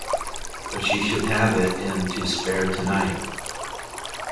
But she should have it and to spare tonight.